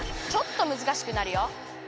ちょっとむずかしくなるよ。